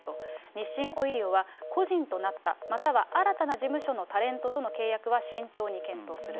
日清オイリオは、個人となった、または新たな事務所のタレントとの契約は慎重に検討する。